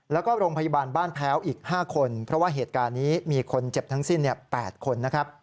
แล้วก็โรงพยาบาลบ้านแพ้วอีก๕คนเพราะว่าเหตุการณ์นี้มีคนเจ็บทั้งสิ้น๘คนนะครับ